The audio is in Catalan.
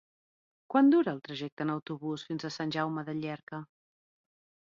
Quant dura el trajecte en autobús fins a Sant Jaume de Llierca?